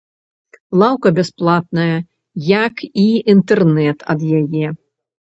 Лаўка бясплатная, як і інтэрнэт ад яе.